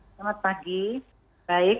selamat pagi baik